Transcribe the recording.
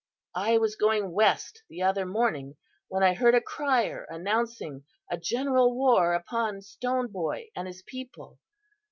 I was going west the other morning when I heard a crier announcing a general war upon Stone Boy and his people.